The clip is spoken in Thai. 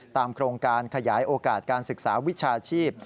โครงการขยายโอกาสการศึกษาวิชาชีพ